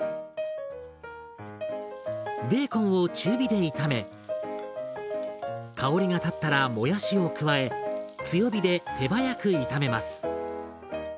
ベーコンを中火で炒め香りが立ったらもやしを加え強火で手早く妙めます。